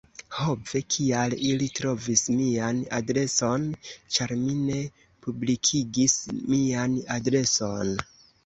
"Ho ve, kial ili trovis mian adreson?" ĉar mi ne publikigis mian adreson.